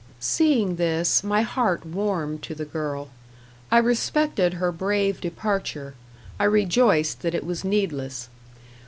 Seeing this, my heart warmed to the girl. I respected her brave departure I rejoiced that it was needless.